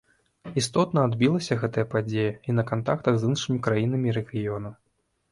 Істотна адбілася гэтая падзея і на кантактах з іншымі краінамі рэгіёну.